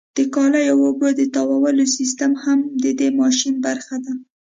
د کالیو او اوبو د تاوولو سیستم هم د دې ماشین برخه ده.